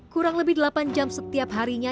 kurang lebih delapan jam setiap harinya